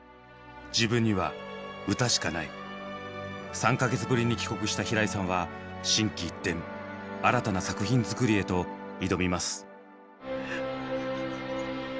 ３か月ぶりに帰国した平井さんは心機一転新たな作品作りへと挑みます。